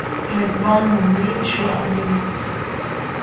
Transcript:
Ռեդվանն ունի շոգ կլիմա։